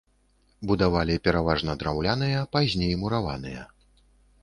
Будавалі пераважна драўляныя, пазней мураваныя.